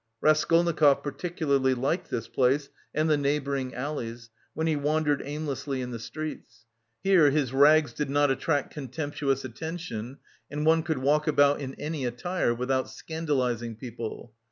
Raskolnikov particularly liked this place and the neighbouring alleys, when he wandered aimlessly in the streets. Here his rags did not attract contemptuous attention, and one could walk about in any attire without scandalising people.